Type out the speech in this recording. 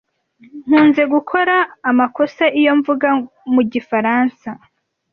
Nkunze gukora amakosa iyo mvuga mu gifaransa.